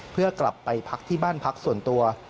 เพื่อกลับไปพักที่บ้านพักส่วนตัว